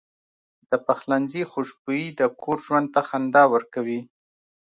د پخلنځي خوشبويي د کور ژوند ته خندا ورکوي.